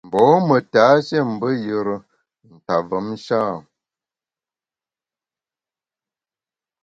Mbô me tashé mbe yùre nta mvom sha ?